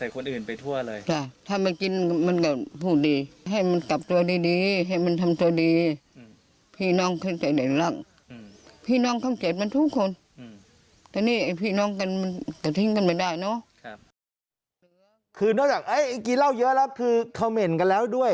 คือนอกจากไออิกกีสแล้วเยอะแล้วคือคาเมนต์กันแล้วด้วย